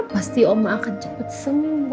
pasti oma akan cepet semua